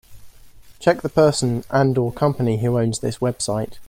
Check the person and/or company who owns this website.